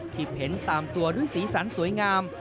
ที่เพนต์ตามตัวด้วยสีสันสวยงาม